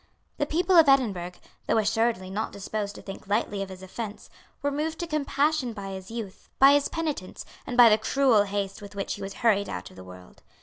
The people of Edinburgh, though assuredly not disposed to think lightly of his offence, were moved to compassion by his youth, by his penitence, and by the cruel haste with which he was hurried out of the world.